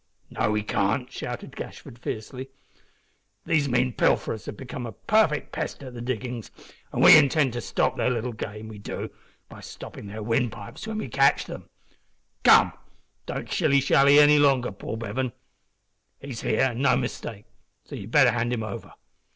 "No, we can't," shouted Gashford, fiercely. "These mean pilferers have become a perfect pest at the diggin's, an' we intend to stop their little game, we do, by stoppin' their windpipes when we catch them. Come, don't shilly shally any longer, Paul Bevan. He's here, and no mistake, so you'd better hand him over.